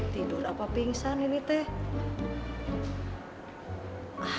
tidur apa pingsan ini teh